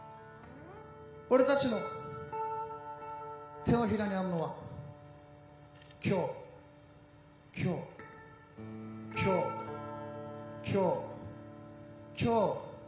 俺たちの手のひらにあるのは今日今日今日今日今日。